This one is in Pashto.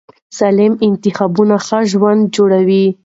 سالم انتخابونه ښه ژوند جوړوي.